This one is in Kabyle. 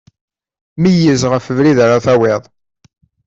Meyyez ɣef webrid ara tawiḍ.